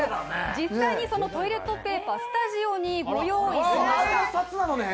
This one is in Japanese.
実際にトイレットペーパー、スタジオにご用意しました。